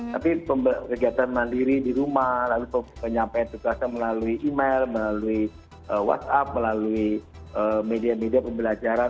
tapi kegiatan mandiri di rumah lalu penyampaian tugasnya melalui email melalui whatsapp melalui media media pembelajaran